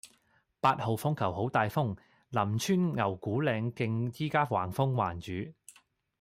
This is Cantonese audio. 八號風球好大風，林村牛牯嶺徑依家橫風橫雨